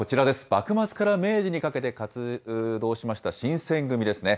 幕末から明治にかけて活動しました新選組ですね。